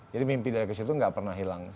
jadi mimpi dari kecil itu gak pernah hilang